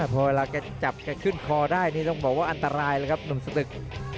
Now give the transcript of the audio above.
พอเวลาแกจับแกขึ้นคอได้นี่ต้องบอกว่าอันตรายแล้วครับหนุ่มสตึก